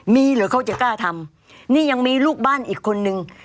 มีเหรอเขาจะกล้าทำนี่ยังมีลูกบ้านอีกคนนึง